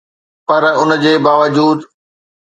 پر ان جي باوجود